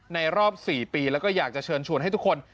รอบ๔ปีแล้วก็อยากจะเชิญชวนให้ทุกคน